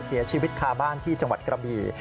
เสียชีวิตคาบ้านที่จังหวัดกระบี่